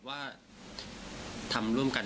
หัวฟาดพื้น